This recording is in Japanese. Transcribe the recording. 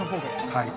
はい。